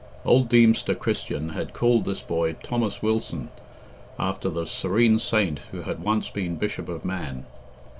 Old Deemster Christian had called this boy Thomas Wilson, after the serene saint who had once been Bishop of Man.